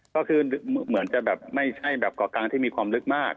ก็คือเหมือนจะแบบไม่ใช่แบบเกาะกลางที่มีความลึกมาก